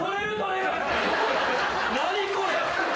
何これ？